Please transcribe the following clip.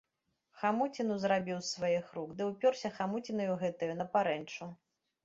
Хамуціну зрабіў з сваіх рук, ды ўспёрся хамуцінаю гэтаю на парэнчу.